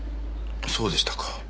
そうでしたか。